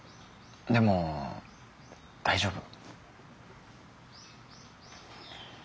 でも大丈夫。